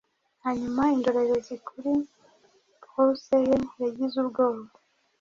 Hanyuma indorerezi kuri pulse ye yagize ubwoba